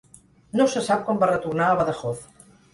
No se sap quan va retornar a Badajoz.